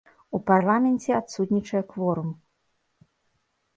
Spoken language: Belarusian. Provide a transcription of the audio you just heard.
У парламенце адсутнічае кворум.